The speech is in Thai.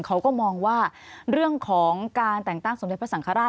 เขาก็มองว่าเรื่องของการแต่งตั้งสมเด็จพระสังฆราช